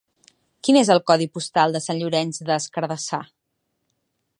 Quin és el codi postal de Sant Llorenç des Cardassar?